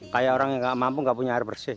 kayak orang yang tidak mampu tidak punya air bersih